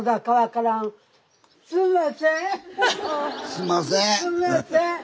すんません。